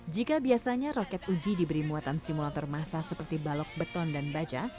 jika biasanya roket uji diberi muatan simulator masa seperti balok beton dan baja